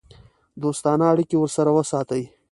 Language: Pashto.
دوستانه اړیکې ورسره وساتي.